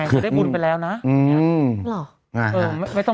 ถูกต้องถูกต้องถูกต้อง